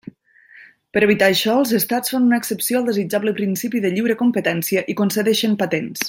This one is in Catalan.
Per evitar això, els estats fan una excepció al desitjable principi de lliure competència i concedeixen patents.